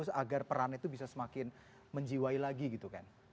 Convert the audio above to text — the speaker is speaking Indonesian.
agar peran itu bisa semakin menjiwai lagi gitu kan